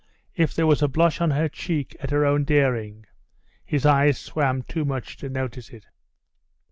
If there was a blush on her cheek at her own daring, his eyes swam too much to notice it.